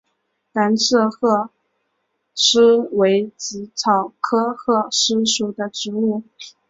蓝刺鹤虱为紫草科鹤虱属的植物。